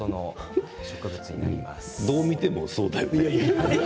どう見てもそうだよね。